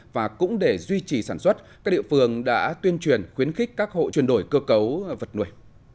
và cũng để duy trì sản xuất các địa phương đã tuyên truyền khuyến khích các hộ chuyển đổi cơ cấu vật nuôi